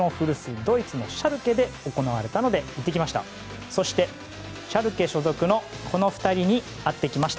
ドイツのシャルケで行われたので行ってきました。